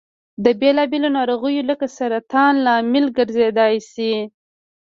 د بېلا بېلو نارغیو لکه سرطان لامل ګرځيدای شي.